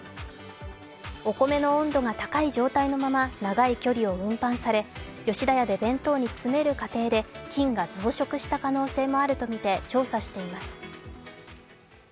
お米の温度が高い状態のまま長い距離を運搬され、吉田屋で弁当に詰める過程で菌が増殖した可能性もあるとみて調査しています。